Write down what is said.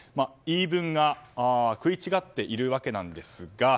言い分が食い違っているわけなんですが。